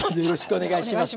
お願いします。